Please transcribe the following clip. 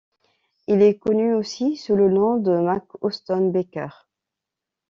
Il est connu aussi sous le nom de McHouston Baker.